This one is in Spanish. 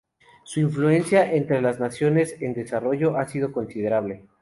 Su influencia entre las naciones en desarrollo ha sido considerable.